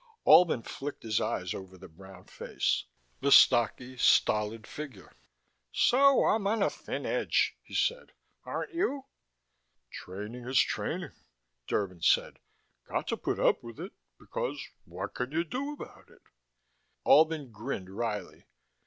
Albin flicked his eyes over the brown face, the stocky, stolid figure. "So I'm on a thin edge," he said. "Aren't you?" "Training is training," Derban said. "Got to put up with it, because what can you do about it?" Albin grinned wryly.